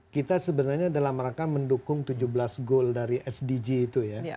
kita sebenarnya dalam rangka mendukung tujuh belas gol dari sdg itu ya